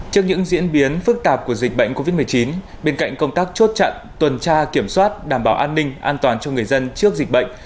trước những diễn biến phức tạp của dịch bệnh covid một mươi chín bên cạnh công tác chốt chặn tuần tra kiểm soát đảm bảo an ninh an toàn cho người dân trước dịch bệnh